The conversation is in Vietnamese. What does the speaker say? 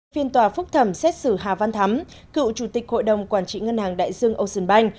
phiên tòa phúc thẩm xét xử hà văn thắm cựu chủ tịch hội đồng quản trị ngân hàng đại dương ocean bank